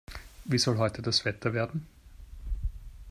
Wie soll heute das Wetter werden?